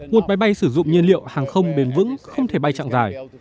một máy bay sử dụng nhiên liệu hàng không bền vững không thể bay chặng dài